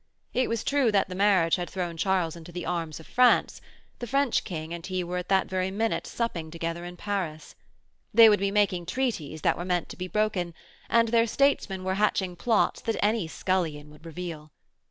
It was true that the marriage had thrown Charles into the arms of France: the French King and he were at that very minute supping together in Paris. They would be making treaties that were meant to be broken, and their statesmen were hatching plots that any scullion would reveal.